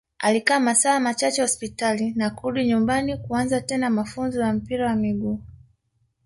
alikaa masaa machache hospitali na kurudi nyumbani kuanza tena mafunzo ya mpira wa miguu